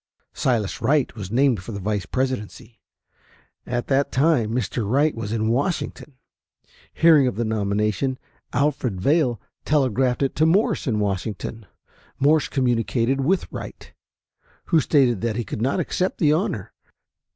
Silas Wright was named for the Vice Presidency. At that time Mr. Wright was in Washington. Hearing of the nomination, Alfred Vail telegraphed it to Morse in Washington. Morse communicated with Wright, who stated that he could not accept the honor.